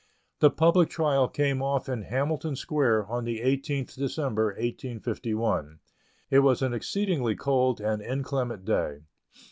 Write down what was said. The public trial came off in Hamilton Square on the 18th December, 1851. It was an exceedingly cold and inclement day.